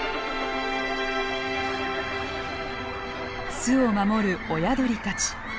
巣を守る親鳥たち。